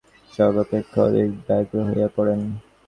নরেন্দ্র বাড়ি আসিলে পণ্ডিতমহাশয় সর্বাপেক্ষা অধিক ব্যগ্র হইয়া পড়েন।